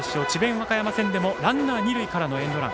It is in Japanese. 和歌山戦でもランナー二塁からのエンドラン。